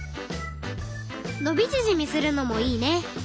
伸び縮みするのもいいね。